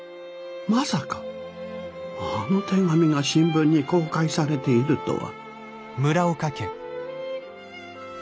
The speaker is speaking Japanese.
まさかあの手紙が新聞に公開されているとは。